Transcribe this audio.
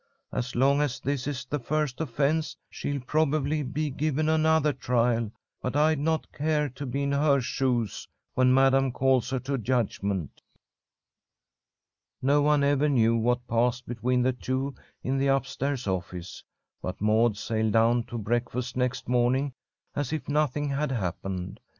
As long as this is the first offence, she'll probably be given another trial, but I'd not care to be in her shoes when Madam calls her to judgment." No one ever knew what passed between the two in the up stairs office, but Maud sailed down to breakfast next morning as if nothing had happened.